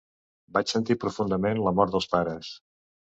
Vaig sentir profundament la mort dels pares.